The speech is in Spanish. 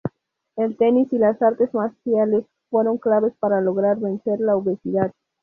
El tenis y las artes marciales fueron claves para lograr vencer la obesidad.